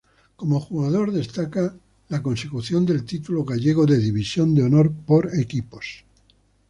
Como jugador destaca la consecución del título gallego de división de honor por equipos.